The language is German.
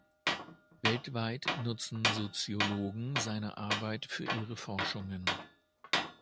Weltweit nutzen Soziologen seine Arbeit für ihre Forschungen.